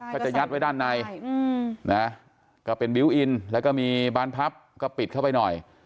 ก็จะยัดไว้ด้านในนะก็เป็นบิวต์อินแล้วก็มีบานพับก็ปิดเข้าไปหน่อย